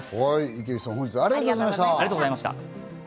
池内さん、本日はありがとうございました。